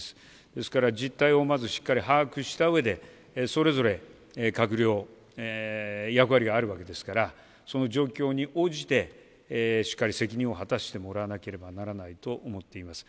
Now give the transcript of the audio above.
ですから、実態をまずしっかり把握したうえで、それぞれ、閣僚、役割があるわけですから、その状況に応じて、しっかり責任を果たしてもらわなければならないと思っています。